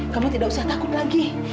kamu tidak usah takut lagi